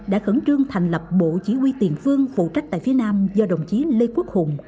đã khẩn trương thành lập bộ chỉ huy tiền phương phụ trách tại phía nam do đồng chí lê quốc hùng